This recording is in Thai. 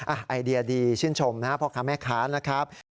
อ่าไอเดียดีชื่นชมนะครับพอร์คค้าแม่ค้านะครับ